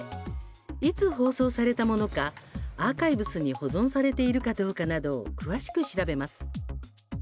いつ放送されたものかアーカイブスに保存されているかどうかなどを詳しく調べます。